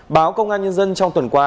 báo công an nhân dân trong tuần qua